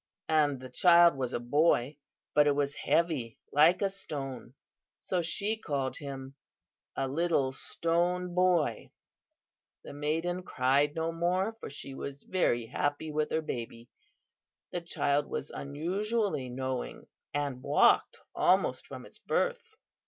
And the child was a boy, but it was heavy like a stone, so she called him a 'Little Stone Boy.' The maiden cried no more, for she was very happy with her baby. The child was unusually knowing, and walked almost from its birth.